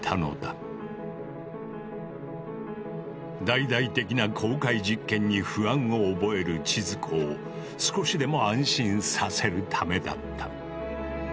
大々的な公開実験に不安を覚える千鶴子を少しでも安心させるためだった。